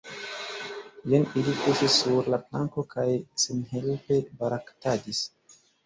Jen ili kuŝis sur la planko kaj senhelpe baraktadis.